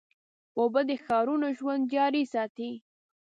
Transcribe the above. اوبه د ښارونو ژوند جاري ساتي.